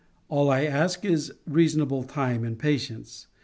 All I ask is reasonable time and patience.